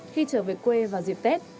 khi trở về quê vào dịp tết